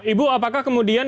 ibu apakah kemudian